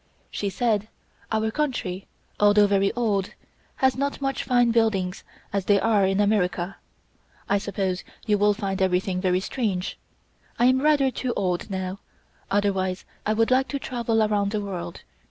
She said: "Our country, although very old, has not such fine buildings as there are in America. I suppose you will find everything very strange. I am rather too old now, otherwise I would like to travel around the world.